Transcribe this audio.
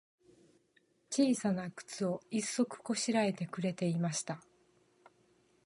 ちいさなくつを、一足こしらえてくれていました。